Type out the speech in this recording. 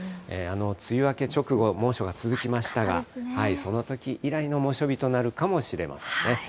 梅雨明け直後、猛暑が続きましたが、そのとき以来の猛暑日となるかもしれませんね。